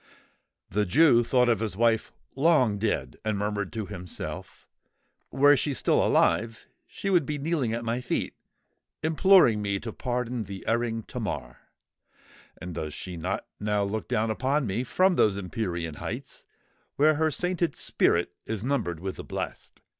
The Jew thought of his wife long dead, and murmured to himself—"Were she alive still, she would be kneeling at my feet, imploring me to pardon the erring Tamar! And does she not now look down upon me from those empyrean heights where her sainted spirit is numbered with the blest?